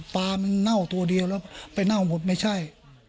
ปลามันเน่าตัวเดียวแล้วไปเน่าหมดไม่ใช่